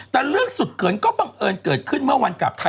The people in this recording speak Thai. แต่เรื่องสุดเขินก็บังเอิญเกิดขึ้นเมื่อวันกลับไทย